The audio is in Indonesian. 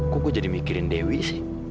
kok gue jadi mikirin dewi sih